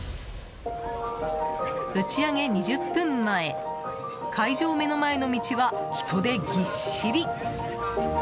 打ち上げ２０分前会場目の前の道は人でぎっしり。